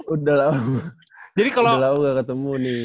udah lama gak ketemu nih